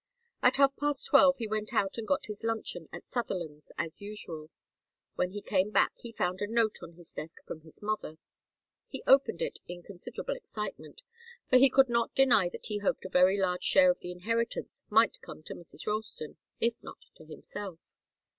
At half past twelve he went out and got his luncheon at Sutherland's, as usual. When he came back, he found a note on his desk from his mother. He opened it in considerable excitement, for he could not deny that he hoped a very large share of the inheritance might come to Mrs. Ralston, if not to himself.